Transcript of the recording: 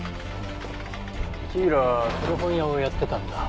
火浦は古本屋をやってたんだ。